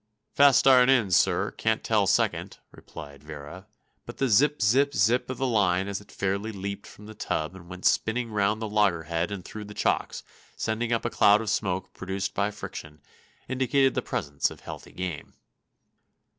"Fust iron in, sir; can't tell second," replied Vera; but the zip zip zip of the line as it fairly leaped from the tub and went spinning round the loggerhead and through the chocks, sending up a cloud of smoke produced by friction, indicated the presence of healthy game.